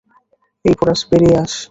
এই পোরাস, বেরিয়ে আস।